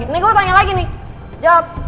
ini gue tanya lagi nih jawab